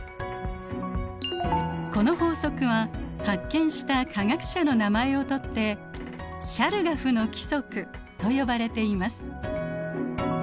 この法則は発見した科学者の名前をとってシャルガフの規則と呼ばれています。